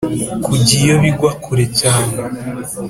kujya iyo bigwa kure cyane